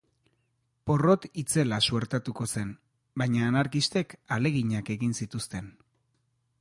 Porrot itzela suertatuko zen, baina anarkistek ahaleginak egin zituzten.